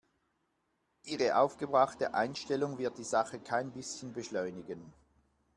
Ihre aufgebrachte Einstellung wird die Sache kein bisschen beschleunigen.